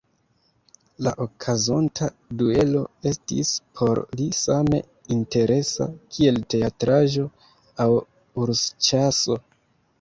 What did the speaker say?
La okazonta duelo estis por li same interesa, kiel teatraĵo aŭ ursĉaso.